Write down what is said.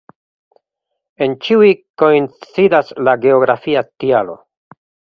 En ĉiuj koincidas la geografia tialo.